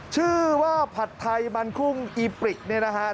ชื่อว่าผัดไทยมันกุ้งอีปริกเนี่ยนะฮะ